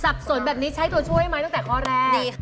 สนแบบนี้ใช้ตัวช่วยไหมตั้งแต่ข้อแรกดีค่ะ